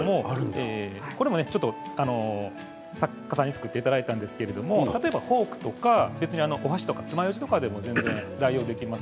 これは作家さんに作っていただいたんですが例えばフォークとかお箸とかつまようじでも代用できます。